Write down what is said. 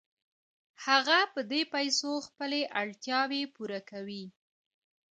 هغه په دې پیسو خپلې اړتیاوې پوره کوي